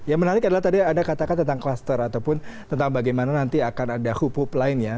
yang menarik adalah tadi anda katakan tentang kluster ataupun tentang bagaimana nanti akan ada hub hub lainnya